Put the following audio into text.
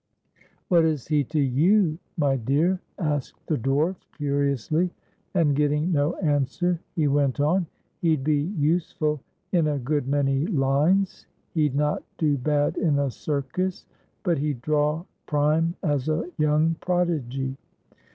"What is he to you, my dear?" asked the dwarf, curiously, and, getting no answer, he went on: "He'd be useful in a good many lines. He'd not do bad in a circus, but he'd draw prime as a young prodigy."